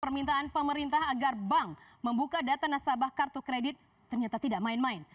permintaan pemerintah agar bank membuka data nasabah kartu kredit ternyata tidak main main